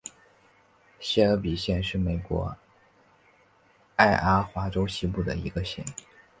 谢尔比县是美国爱阿华州西部的一个县。